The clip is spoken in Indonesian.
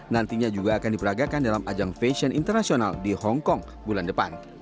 nantinya juga akan diperagakan dalam ajang fashion internasional di hongkong bulan depan